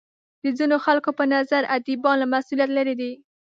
د ځینو خلکو په نظر ادیبان له مسولیت لرې دي.